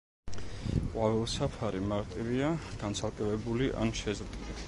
ყვავილსაფარი მარტივია, განცალკევებული ან შეზრდილი.